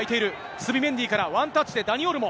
スビメンディからワンタッチでダニ・オルモ。